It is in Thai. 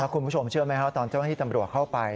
คุณผู้ชมเชื่อไหมครับตอนเจ้าหน้าที่ตำรวจเข้าไป